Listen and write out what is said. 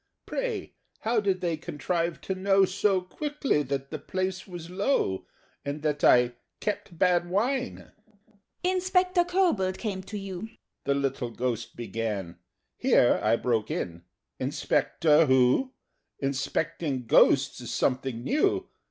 Pray, how did they contrive to know So quickly that 'the place was low,' And that I 'kept bad wine'?" "Inspector Kobold came to you " The little Ghost began. Here I broke in "Inspector who? Inspecting Ghosts is something new!